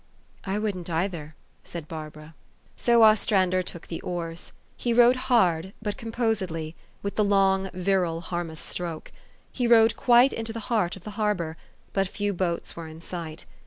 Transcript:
" I wouldn't, either," said Barbara. So Ostrander took the oars. He rowed hard, but composedly, with the long, virile Harmouth stroke. He rowed quite into the heart of the harbor ; but few boats were in sight.